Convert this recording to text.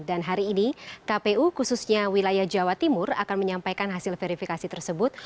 dan hari ini kpu khususnya wilayah jawa timur akan menyampaikan hasil verifikasi tersebut